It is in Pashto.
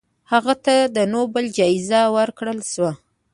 هغې ته د نوبل جایزه ورکړل شوه.